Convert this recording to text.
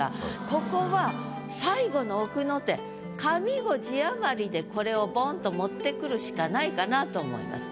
ここは最後のこれをボンと持ってくるしかないかなと思います。